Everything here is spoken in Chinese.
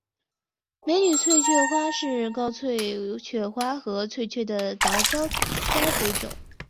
美女翠雀花是高翠雀花和翠雀的杂交栽培种。